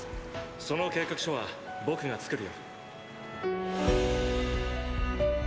その計画書は僕が作るよ。